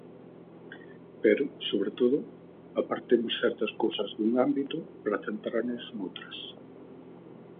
Pero, sobre todo, apartemos certas cousas dun ámbito para centrarnos noutras.